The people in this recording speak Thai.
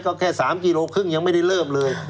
ก็แค่๓กิโลครึ่งยังไม่ได้เริ่มเลย